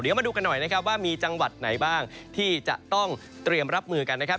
เดี๋ยวมาดูกันหน่อยนะครับว่ามีจังหวัดไหนบ้างที่จะต้องเตรียมรับมือกันนะครับ